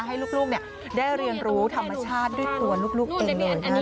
ให้ลูกได้เรียนรู้ธรรมชาติด้วยตัวลูกเองเลย